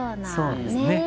そうですね。